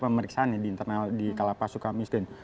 pemeriksaan nih di internal di kalapas bersuka miskin